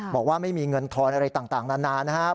บอกว่าไม่มีเงินทอนอะไรต่างนานนะครับ